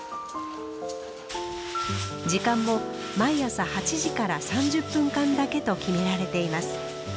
時間も毎朝８時から３０分間だけと決められています。